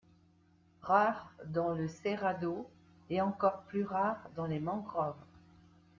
Rare dans le cerrado et encore plus rare dans les mangroves.